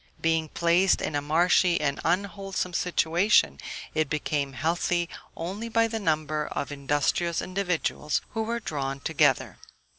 Being placed in a marshy and unwholesome situation, it became healthy only by the number of industrious individuals who were drawn together.